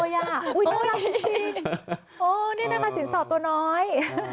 อุ้ยนั่นอะไรจริงโอ้เนี่ยได้มาสินสอดตัวน้อย